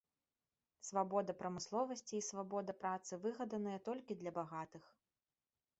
Свабода прамысловасці і свабода працы выгадныя толькі для багатых.